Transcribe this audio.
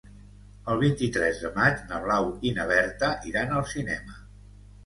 El vint-i-tres de maig na Blau i na Berta iran al cinema.